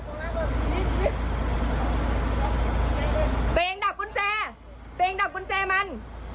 ตัวเองดับกุญแจตัวเองดับกุญแจมัน